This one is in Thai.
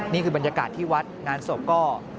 นี่คือบรรยากาศที่วัดงานศพก็